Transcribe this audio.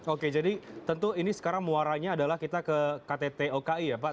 oke jadi tentu ini sekarang muaranya adalah kita ke ktt oki ya pak